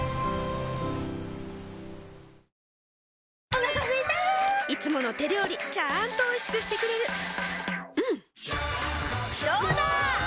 お腹すいたいつもの手料理ちゃんとおいしくしてくれるジューうんどうだわ！